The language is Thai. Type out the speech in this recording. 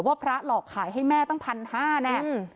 พระหลอกขายให้แม่ตั้ง๑๕๐๐แน่